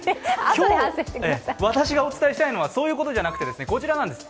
今日、私がお伝えしたいのはそういうことじゃなくて、こちらなんです。